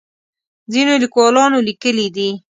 ځینو لیکوالانو لیکلي دي.